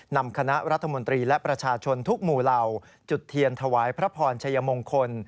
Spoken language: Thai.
นำคณะรัฐมนตรีและประชาชนทุกหมู่เหล่าจุดเทียนถวายพระพรชัยมงคล